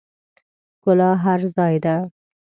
ښکلا هر ځای ده